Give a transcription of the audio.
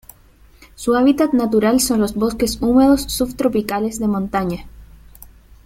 Su hábitat natural son los bosques húmedos subtropicales de montaña.